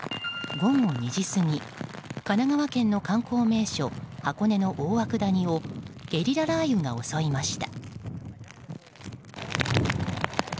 午後２時過ぎ神奈川県の観光名所箱根の大涌谷をゲリラ雷雨が襲いました。